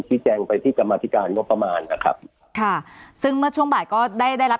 แจ้งไปที่กรรมธิการงบประมาณนะครับค่ะซึ่งเมื่อช่วงบ่ายก็ได้ได้รับ